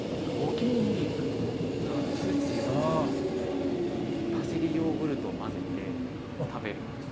お気に入りナッツ塩にパセリヨーグルトを混ぜて食べるんです。